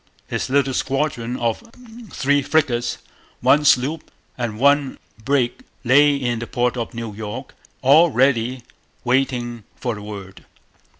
His little squadron of three frigates, one sloop, and one brig lay in the port of New York, all ready waiting for the word.